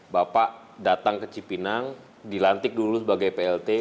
bapak datang ke cipinang dilantik dulu sebagai plt